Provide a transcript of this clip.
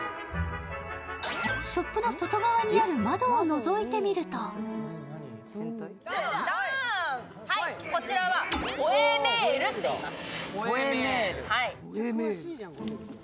ショップの外側にある窓をのぞいてみるとこちらは吠えメールといいます。